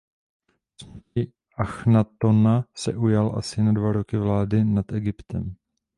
Po smrti Achnatona se ujal asi na dva roky vlády nad Egyptem.